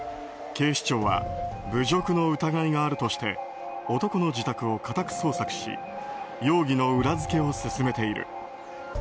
警視庁は侮辱の疑いがあるとして男の自宅を家宅捜索し容疑の裏付けを進めている。